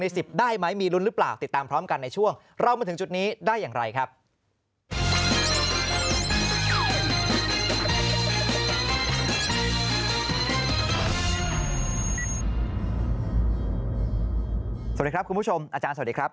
สวัสดีครับคุณผู้ชมอาจารย์สวัสดีครับ